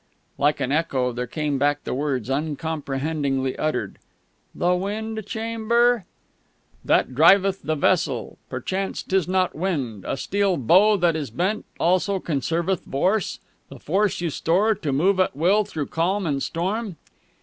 Like an echo, there came back the words, uncomprehendingly uttered, "The wind chamber?..." "... that driveth the vessel perchance 'tis not wind a steel bow that is bent also conserveth force the force you store, to move at will through calm and storm...."